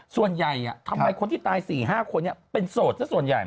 ส่วนใหญ่ทำไมคนที่ตาย๔๕คนเป็นโสดซะส่วนใหญ่